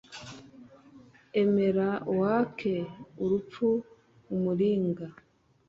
emera wake urupfu umuringa